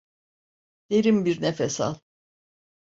Derin bir nefes al.